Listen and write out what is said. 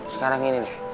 sekarang ini nih